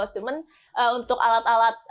cuman untuk alat alat